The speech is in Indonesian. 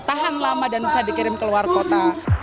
tahan lama dan bisa dikirim ke luar kota